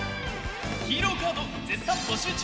ヒーローカード絶賛募集中！